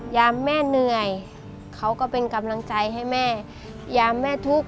รายการต่อไปนี้เป็นรายการทั่วไปสามารถรับชมได้ทุกวัย